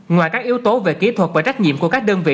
ngoài các yếu tố về kỹ thuật và trách nhiệm của các đơn vị